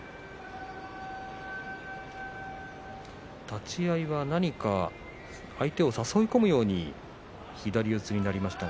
立ち合いは何か相手を誘い込むように左四つになりました。